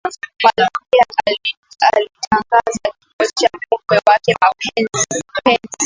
malkia alitangaza kifo cha mume wake mpenzi